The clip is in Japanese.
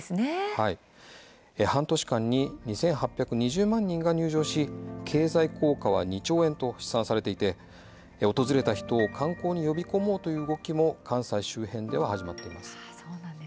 半年間に２８２０万人が入場し経済効果は２兆円と試算されていて訪れた人を観光に呼び込もうという動きも関西周辺では始まっています。